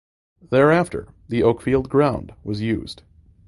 Thereafter the Oakfield ground was used.